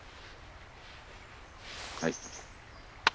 はい。